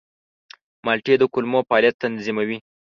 مالټې د کولمو فعالیت تنظیموي.